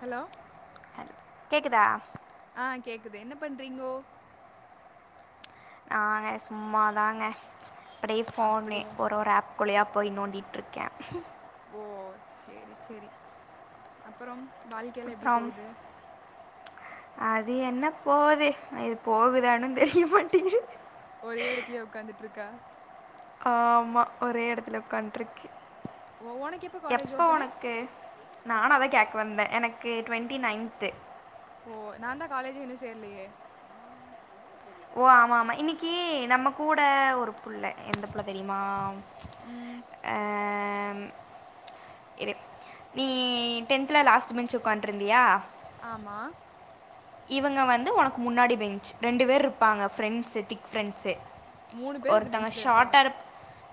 hello கேக்குதா ஆ கேக்குது என்ன பண்றீங்கோ ஆங்க சும்மாதாங்க அப்டியே ஃபோன்னு அப்படியா ஒரு ஒரு ஆப் உள்ளயா போய் நோண்டிட்ருக்கே ஓ சேரி சேரி அப்பறம் வாழ்க்கைலா எப்டி அப்புறம் போகுது அது என்ன போகுது இது போகுதானு தெரிய மாட்டேங்கிது ஒரே எடத்துலே உக்காந்துட்ருக்கா ஆமா ஒரே எடத்துல உக்கான்ட்ருக்கு ஓ உனக்கு காலேஜ் எப்போ ஓப்பனு ஒனக்கு நானு அதா கேக்க வந்த எனக்கு டொண்ட்டி நய்ன்த்து ஓ நாந்தா காலேஜே இன்னு சேர்லியே ஓ ஆமா ஆமா இன்னிக்கு நம்ம கூட ஒரு புள்ள எந்த புள்ள தெரிமா ம் அம் இரு நீ டென்த்ல லாஸ்ட்டு பெஞ்ச் உட்காண்ட்ருந்தியா ஆமா இவுங்க வந்து ஒனக்கு முன்னாடி பெஞ்ச் ரெண்டு வேர்ருப்பாங்க ஃபிரெண்ஸு திக் ஃபிரெண்ஸு மூணு பேர் அந்த ஒருத்தங்க பெஞ்சில் இருப்பாங்க ஷாட்டாருப்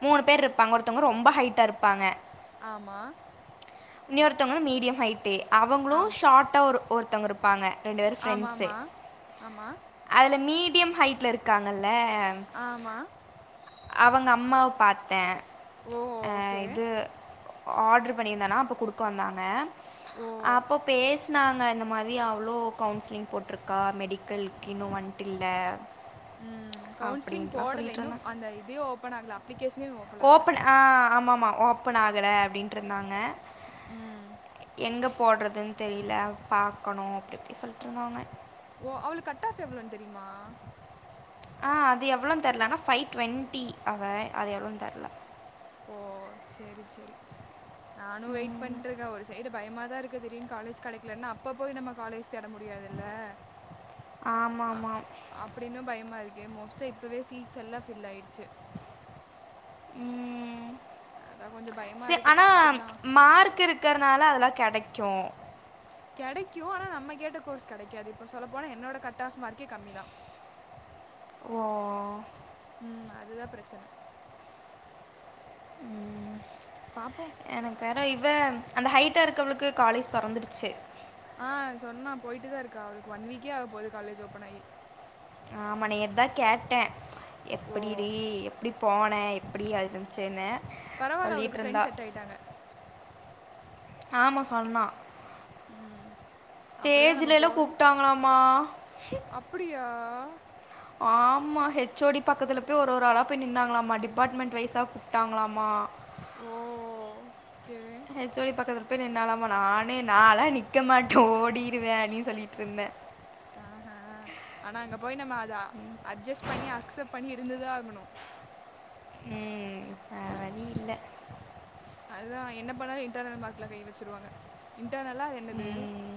மூணு பேருப்பாங்க ஒருத்தவ்ங்க ரொம்பா ஹைட்டா இருப்பாங்க ஆமா இன்னியொருத்தவ்ங்குளு மீடியம் ஹைட்டு அவங்ளு ஆம் ஷாட்டா ஒரு ஒருத்தவ்ங்க இருப்பாங்க ரெண்டுவேரு ஃபிரெண்ஸு ஆமாம்மா ஆமாம் அதுல மீடியம் ஹைட்ல இருக்காங்கல்ல ஆமா அவங்க அம்மாவ் பாத்தே ஓ அ ஓகே இது ஆர்ட்ரு பண்ணியிருந்தனா அப்போ குடுக்க வந்தாங்க ஓ அப்போ பேஸ் னாங்க இந்த மாதி அவுளோ கவுன்ஸ்லிங் போட்ருக்கா மெடிக்கல்க் இன்னு வன்ட்டில்ல இல்ல ம் கவுன்ஸ்லிங் போடல இன்னு இருந்தாங்க அந்த இதே ஓப்பன் ஆகுல அப்ளிகேஷ்னே ஓப்பல் ஆகல ஓப்பன் ஆ ஆமா ஆமா ஓப்பன் ஆகல அப்டின்ட்ருந்தாங்க ம் எங்க போட்றதுன் தெரில பாக்கணு அப்டி இப்டி சொல்ட்ருந்தாங்க ஓ அவுளு கட் ஆஃப் எவ்ளோன் தெரிமா ஆ அது எவ்ளோன் தெர்ல ஆனா ஃபை ட்வொண்ட்டி அவ அது எவ்ளோன் தெர்ல ஓ சேரி சேரி நானு வெய்ட் பண் ட்ருக்க ஒரு சைடு பயமாதா இருக்கு திடீர்ன் காலேஜ் கெடைக்லன்னா அப்ப போய் நம்ம காலேஜ் தேட முடியாதுல்ல [inaudible] ஆமாமா அப்டின்னு பயமா இர்க்கே மோஸ்டா இப்பவே சீட்ஸ் எல்லாம ஃபில் ஆய்டுச்சு ம் அதான் கொஞ்சம் சே பயமாக இருக்கு ஆனா பார்த்துக்கலாம் மார்க் இரு க்றனால அதெல்லா கெடைக்கு கெடைக்கு ஆனா நம்ம கேட்ட கோர்ஸ் கெடைக்காது இப்போ சொல்ல போனா என்னோட கட் ஆஃப் மார்கே கம்மிதா ஓ ம் அதுதா பிரச்சன பாப்போ எனக்கு வேற இவ அந்த ஹைட்டா இருக்கவுளுக்கு காலேஜ் தொறந்துடுச்சு ஆ சொன்னா போய்ட்டுதா இருக்கா அவளுக்கு ஒன் வீக்கே ஆக போது காலேஜ் ஓப்பனாயி ஆமா நேத்தா கேட்ட ஓ எப்புடிடி எப்டி போன எப்டி அ இர்ந்துசுன்னு பரவாயில்ல அவளுக்கு சொல்லிட்ருந்தா ஃப்ரெண்ட்ஸ் செட் ஆயிட்டாங்க ஆமா சொன்னா அப்படி தான் நம்ம ஸ்டேஜுலல கூப்ட்டாங்களாமா அப்புடியா ஆமா ஹெச் ஓ டி பக்கத்துல போய் ஒரு ஒரு ஆளா போய் நின்னாங்குளாம்மா டிபாட்மெண்ட் வைஸா கூப் ட்டாங்ளாமா okay H O D பக்கத்தில போய் நின்னாலாமா நானே நா எல்லா நிக்க மாட்ட ஓடிருவேன் அப்டினு சொல்லிட்டு இருந்த ஆஹ ஆஹ அங்க போய் நம்ம அத அட்ஜெஸ்ட் பண்ணி அக்செப்ட் பண்ணி இருந்துதா ஆகணு ம் வேற வழி இல்ல அதுதா என்ன பண்ணாலு இன்டர்னல் மார்க்ல கை வெச்சுருவாங்க இன்டர்னலா அது என்னது ம்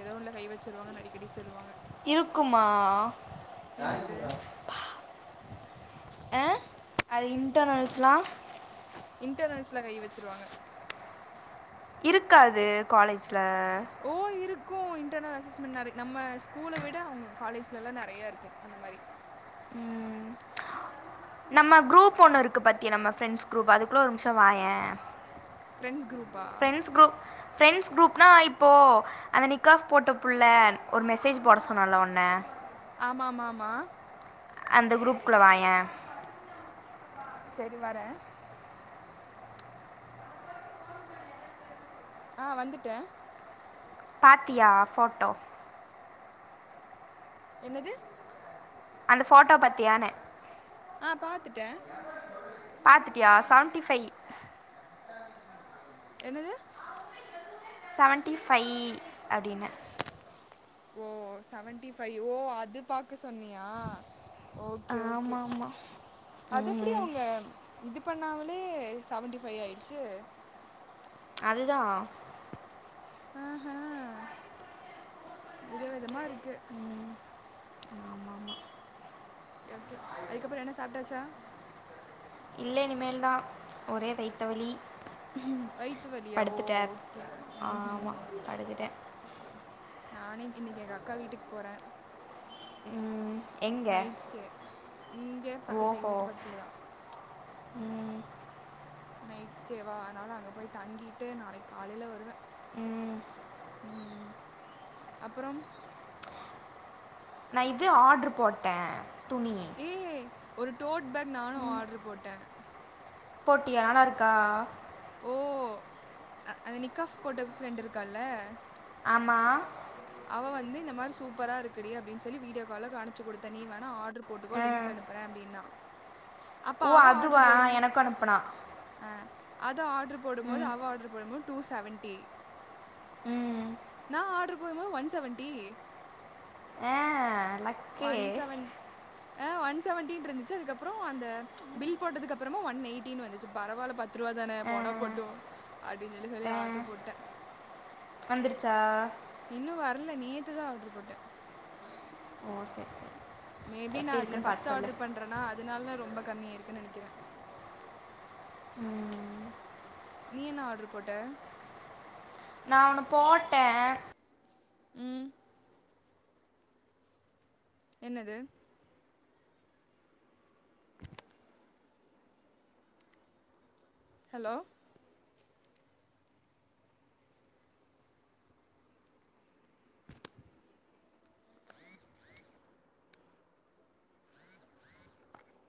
எதோ ஒன்னுல கை வெச்சுருவாங்கன்னு அடிக்கடி சொல்லுவாங்க இருக்குமா என்னது ப்பா எ அது இன்டர்னல்ஸ்ல்லா இன்டர்னல்ஸ்ல கை வெச்சிருவாங்க இருக்கா அது காலேஜ்ல ஓ இருக்கு இன்டெர்னல் அசஸ்மெண்ட் நெறை நம்ம ஸ்கூல விட அவுங்க காலேஜெல்லா நெறையா இருக்கு அந்த மாரி ம் நம்ம குரூப் ஒண்ணு இருக்கு பாத்தியா நம்ம ப்ரெண்ட்ஸ் குரூப் அதுக்குள்ள ஒரு நிமிஷோ வாயேன் ஃப்ரெண்ட்ஸ் குரூப்பா ஃப்ரெண்ட்ஸ் குரூப் ஃப்ரெண்ட்ஸ் குரூப்னா இப்போ அந்த நிக்காஃப் போட்ட புள்ள ஒரு மெசேஜ் போட சொன்னால்ல உன்ன ஆமாமாமா அந்த குரூப்புக்குள்ள வாயேன் சேரி வர ஆ வந்துட்ட பாத்தியா ஃபோட்டோ என்னது அந்த ஃபோட்டோ பத்தியான ஆ பாத்துட்டே பாத்துட்டியா செவன்டிஃபைவ் என்னது செவன்ட்டிஃபைவ் அப்டின்ன ஓ செவன்டிஃபைவ் ஓ அது பா க்க சொன்னியா ஓகே ஓகே ஆமாம் அது எப்டி ஆமாம் அவுங்க இது பண்ணாமலே செவன்ட்டிஃபைவ் ஆயிடுச்சு அதுதா ஆஹஹ விதவிதமா இருக்கு ம் ஆமாமா ஓகே அதுக்கப்றோ என்ன சாப்ட்டாச்சா இல்ல இனிமேல்தான் ஒரே வைத்த வலி வய்த்து வலியா ஓ படுத்துட்டேன் ஓகே ம்ஹும் ஆமாம் படுத்துட்டேன் சரி சரி நானே இன்னைக்கு எங்க அக்கா வீட்டுக்கு போறேன் ம், எங்க நைட் ஸ்டே இங்க பக்கத்து எங்க ஓஹோ வீட்டு பக்கத்துலதா ம் நைட் ஸ்டேவா அதனால அங்க போய் தங்கிட்டு நாளைக்கு காலைல வருவேன் ம் ம் அப்புறம் நா இது ஆர்டர் போட்டேன் துணி ஏ ஒரு டோட் பேக் நானு ஆர்டர் போட்டேன் போட்டியா நல்லா இருக்கா ஓ அந்த நிக்காஃப் போட்ட ஃப்ரெண்ட்டு இருக்கால்ல ஆமா அவ வந்து இந்த மாரி சூப்பரா இருக்குடி அப்டின் சொல்லி வீடியோ கால கானுச்சு கொடுத்த நீ வேணா ஆட்ர்ரு போட்டுக்கோ ஆ லின்க் அனுப்புறே அப்டின்னா அப்ப ஓ அவ அதுவா ஆர்டர் போடும் எனக்கும் அனுப்புனா ஆ அத ஆர்டரு போடும்போது ம் அவ ஆர்டரு போடும்போது டூ செவன்டி ம் நா ஆர்டரு போடும் போது ஒன் செவன்டி ஆ லக் ஒன் செவன் அ ஒன் செவன்ட்டி இருந்துச்சு அதுக்கப்றோ அந்த பில் போட்டதுக்கு அப்புறமா ஒன் எயிட்டினு வந்துச்சு பரவால்ல ப பத்துருவா தானே ஆ போணா போட்டு அப்டின்னு சொல்லி சொல்லி ஆ ஆர்டரு போட்டே வந்துருச்சா இன்னு வரல நேத்து தா ஆர்டரு போட்டே ஓ சரி சரி மேபி நா எப்படி அதுல இருக்குன்னு ஃபஸ்ட் பார்த்து சொல்லு ஆர்டர் பண்றனா அதுனால ரொம்ப கம்மியாகிருக்குனு நெனைக்கிறே ம் நீ என்ன ஆர்ட்ரு போட்ட நா ஒன்னு போட்டே ம் என்னது ஹலோ ர ர [inaudible]